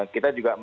kita juga mencari